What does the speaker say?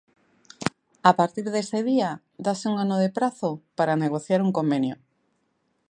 A partir dese día, dáse un ano de prazo para negociar un convenio.